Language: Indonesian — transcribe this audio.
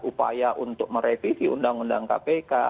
upaya untuk merevisi undang undang kpk